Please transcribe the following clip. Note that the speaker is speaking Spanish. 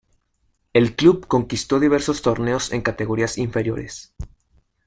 El club conquistó diversos torneos en categorías inferiores.